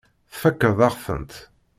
Tfakkeḍ-aɣ-tent.